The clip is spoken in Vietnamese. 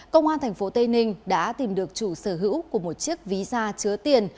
công an tp tây ninh đã tìm được chủ sở hữu của một chiếc ví da chứa tiền